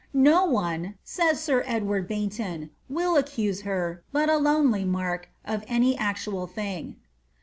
^ No one," says sir Edward Baynton, ^ will accuse her, but ahmely Mark, of any actual thing."